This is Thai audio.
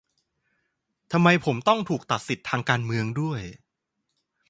ทำไมผมต้องถูกตัดสิทธิ์ทางการเมืองด้วย?